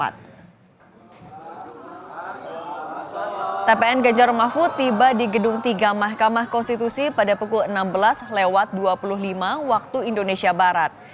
tpn ganjar mahfud tiba di gedung tiga mahkamah konstitusi pada pukul enam belas lewat dua puluh lima waktu indonesia barat